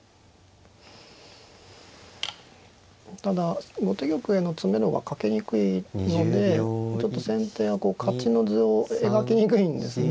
ただ後手玉への詰めろがかけにくいのでちょっと先手はこう勝ちの図を描きにくいんですね。